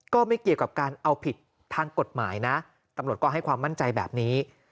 ก็ไม่เกี่ยวกับการเอาผิดทางกฎหมายนะตำรวจก็ให้ความมั่นใจแบบนี้